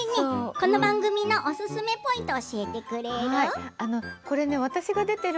この番組のおすすめポイントを教えてくれる？